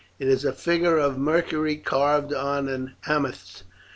It is a figure of Mercury carved on an amethyst.